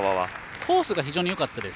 コースが非常によかったです。